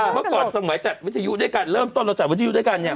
เมื่อก่อนสมัยจัดวิทยุด้วยกันเริ่มต้นเราจัดวิทยุด้วยกันเนี่ย